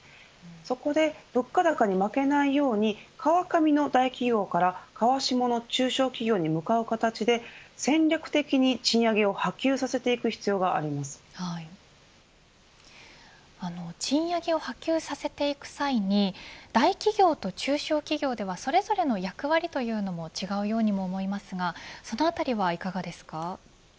そこで、物価高に負けないように川上の大企業から川下の中小企業に向かう形で戦略的に賃上げを波及させていく必要があり賃上げを波及させていく際に大企業と中小企業ではそれぞれの役割というのも違うように思いますがそのあたりはいかがですか。